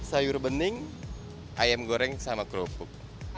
sayur bening ayam goreng sama kerupuk